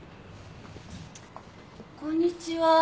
こんにちは。